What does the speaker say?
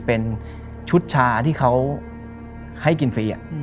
เป็นชุดชาที่เขาให้กินฟรี